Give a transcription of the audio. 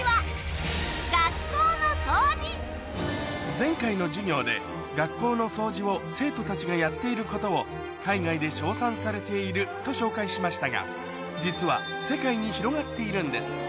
前回の授業で学校の掃除を生徒たちがやっていることを海外で称賛されていると紹介しましたが実は世界に広がっているんです